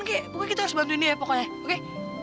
pokoknya kita harus bantuin dia ya pokoknya oke